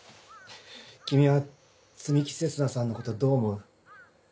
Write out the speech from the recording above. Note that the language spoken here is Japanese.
君は摘木星砂さんのことどう思う？